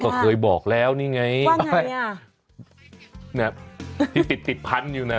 ก็เคยบอกแล้วนี่ไง